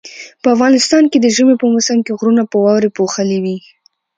په افغانستان کې د ژمي په موسم کې غرونه په واوري پوښلي وي